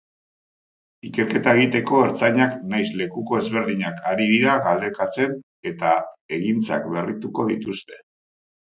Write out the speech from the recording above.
Ikerketa egiteko ertzainak nahiz lekuko ezberdinak ari dira galdekatzen eta egintzak berrituko dituzte.